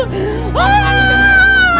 kemana cucu saya